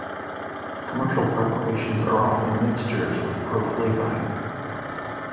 Commercial preparations are often mixtures with proflavine.